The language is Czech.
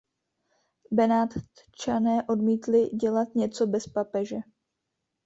Benátčané odmítli dělat něco bez papeže.